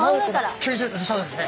そうですね。